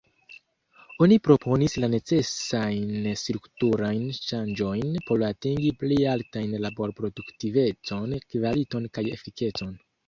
Oni proponis la necesajn strukturajn ŝanĝojn por atingi pli altajn laborproduktivecon, kvaliton kaj efikecon.